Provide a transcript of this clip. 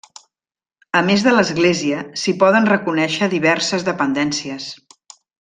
A més de l'església, s'hi poden reconèixer diverses dependències.